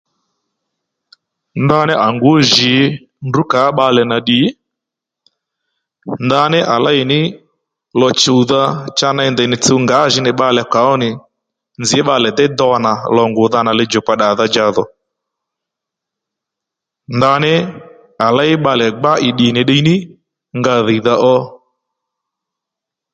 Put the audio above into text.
Ndaní à ngǔ jǐ ndrǔ kàó bbalè nà ddì ndaní à léy ní lò shùwdha cha ney ndèy nì tsùw ngǎjì ní bbalè kà ó nì nzǐ bbalè déy do nà lò ngù dha nà lidjùkpa ddadha dja dhò ndaní à léy bbalè gbá ì ddì nì ddiy ní nga dhìydha ó